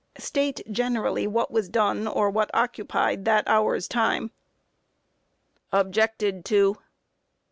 Q. State generally what was done, or what occupied that hour's time? Objected to.